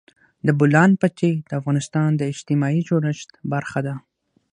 د بولان پټي د افغانستان د اجتماعي جوړښت برخه ده.